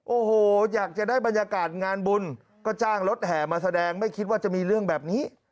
โอ้โหอยากจะได้บรรยากาศงานบุญก็จ้างรถแห่มาแสดงไม่คิดว่าจะมีเรื่องแบบนี้